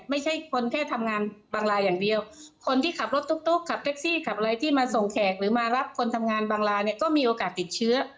ไม่ใช่คนแค่ทำงานบางลาอย่างเดียวคนที่ขับรถตุ๊กขับแท็กซี่ขับอะไรที่มาส่งแขกหรือมารับคนทำงานบางลาเนี่ยก็มีโอกาสติดเชื้อ